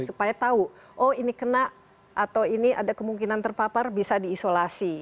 supaya tahu oh ini kena atau ini ada kemungkinan terpapar bisa diisolasi